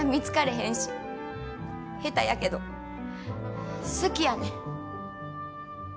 下手やけど好きやねん。